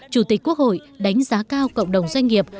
chủ tịch quốc hội đánh giá cao cộng đồng doanh nghiệp